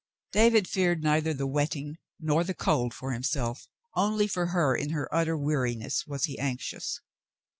David feared neither the wetting nor the cold for him self ; only for her in her utter weariness was he anxious.